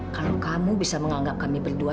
kalau kamu bisa menganggap kami berdua